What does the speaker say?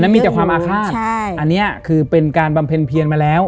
อันนั้นมีแต่ความอาฆาตอันนี้คือเป็นการบำเพลินเพลินมาแล้ว